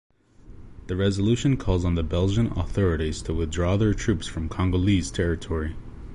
The resolution calls on the Belgian authorities to withdraw their troops from Congolese territory.